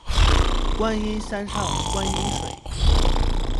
观音山上观山水